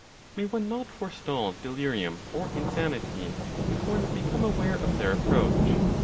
May one not forestall delirium or insanity, if one become aware of their approach?